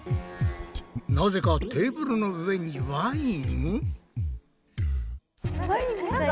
なぜかテーブルの上にワイン？